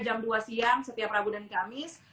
jam dua siang setiap rabu dan kamis